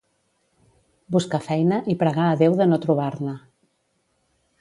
Buscar feina i pregar a Déu de no trobar-ne